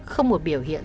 không một biểu hiện